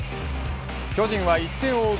巨人は１点を追う